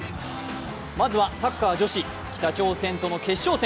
まずはサッカー女子、北朝鮮との決勝戦。